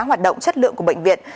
hoạt động chất lượng của bệnh viện